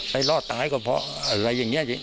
รอดตายก่อนเพราะอะไรอย่างนี้